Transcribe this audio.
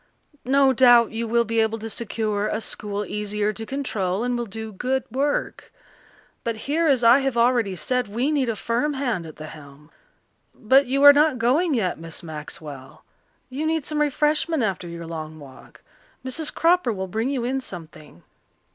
No doubt you will be able to secure a school easier to control and will do good work. But here, as I have already said, we need a firm hand at the helm. But you are not going yet, Miss Maxwell? You need some refreshment after your long walk. Mrs. Cropper will bring you in something."